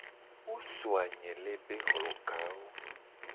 Wo so anyele be hlokawo.